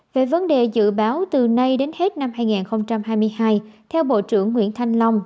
về vấn đề dự báo từ nay đến hết năm hai nghìn hai mươi hai theo bộ trưởng nguyễn thanh long